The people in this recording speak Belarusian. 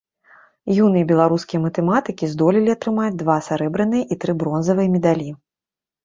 Юныя беларускія матэматыкі здолелі атрымаць два сярэбраныя і тры бронзавыя медалі.